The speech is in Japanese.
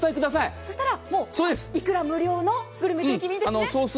そうしたら、いくら無料のグルメ定期便ですね。